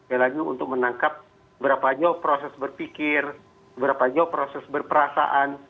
yaitu untuk menangkap seberapa jauh proses berpikir seberapa jauh proses berperasaan